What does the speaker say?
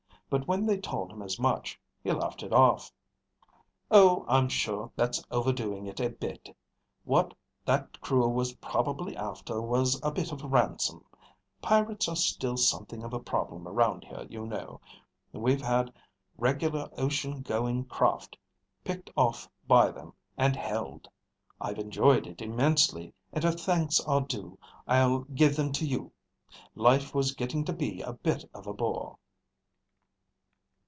But when they told him as much, he laughed it off. "Oh, I'm sure that's overdoing it a bit. What that crew was probably after was a bit of ransom. Pirates are still something of a problem around here, you know. We've had regular ocean going craft picked off by them and held. I've enjoyed it immensely, and if thanks are due, I'll give them to you. Life was getting to be a bit of a bore."